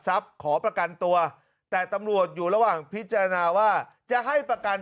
ขอประกันตัวแต่ตำรวจอยู่ระหว่างพิจารณาว่าจะให้ประกัน